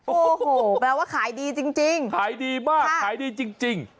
โอ้โหแปลว่าขายดีจริงขายดีมากขายดีจริง